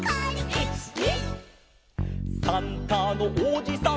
「１２」「サンタのおじさん」